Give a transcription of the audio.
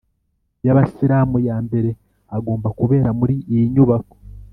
y’ Abasilamu yambere agomba kubera muri iyi nyubako